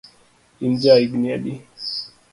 In ja igni adi?